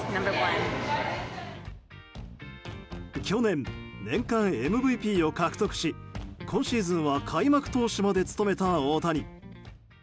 去年、年間ＭＶＰを獲得し今シーズンは開幕投手まで務めた大谷。